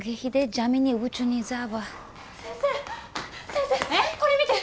先生これ見て！